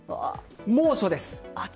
猛暑です。